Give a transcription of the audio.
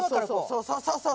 そうそうそうそう！